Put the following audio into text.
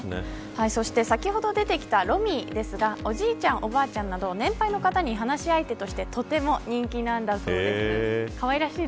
そして先ほど出てきたＲｏｍｉですがおじいちゃん、おばあちゃんなど年配の方に話し相手としてとても人気なんだそうです。